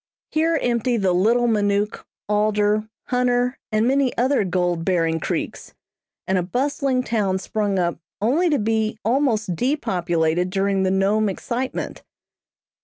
Here empty the Little Minook, Alder, Hunter, and many other gold bearing creeks, and a bustling town sprung up only to be almost depopulated during the Nome excitement.